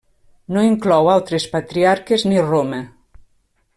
No inclou altres patriarques ni Roma.